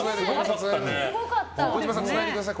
児嶋さん、つないでください。